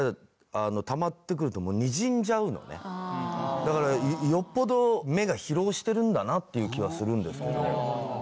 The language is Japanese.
だからよっぽど目が疲労してるんだなっていう気はするんですけど。